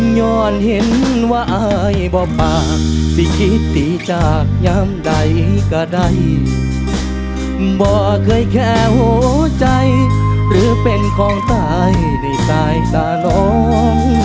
ย้อนเห็นว่าอายบ่ปากสิคิดดีจากยามใดก็ได้บ่เคยแค่หัวใจหรือเป็นของตายในสายตาน้อง